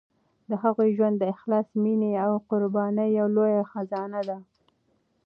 د هغوی ژوند د اخلاص، مینې او قربانۍ یوه لویه خزانه ده.